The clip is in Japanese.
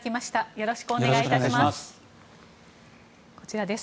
よろしくお願いします。